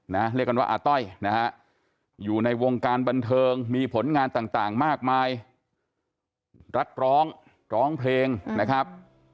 เรียกกันว่าอาต้อยนะฮะอยู่ในวงการบันเทิงมีผลงานต่างต่างมากมายนักร้องร้องเพลงนะครับ